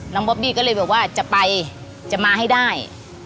บอบบี้ก็เลยบอกว่าจะไปจะมาให้ได้